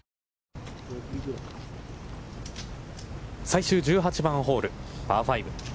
最終１８番ホール、パー５。